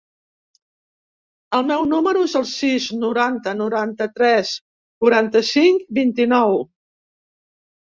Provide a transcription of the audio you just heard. El meu número es el sis, noranta, noranta-tres, quaranta-cinc, vint-i-nou.